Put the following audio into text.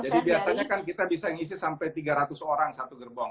jadi biasanya kan kita bisa mengisi sampai tiga ratus orang satu gerbong